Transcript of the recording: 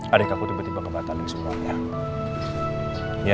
adik aku tiba tiba kebatalin semuanya